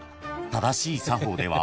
「正しい作法では」？